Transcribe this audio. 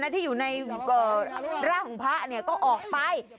ที่อยู่ในร่างของพระก็ออกไป